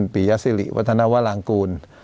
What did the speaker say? ปียสิริวัฒนวรางกูล